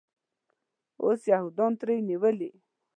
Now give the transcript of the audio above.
اوس یهودانو ترې نیولی.